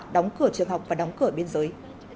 đóng cửa trường học và đóng cửa biên giới